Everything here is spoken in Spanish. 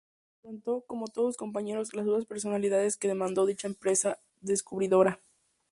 Afrontó, como todos sus compañeros, las duras penalidades que demandó dicha empresa descubridora.